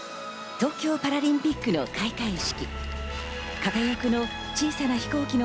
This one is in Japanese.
東京パラリンピックの開会式。